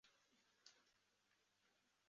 国王温坎在法国殖民者的保护下逃往暹罗。